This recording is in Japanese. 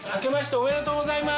おめでとうございます。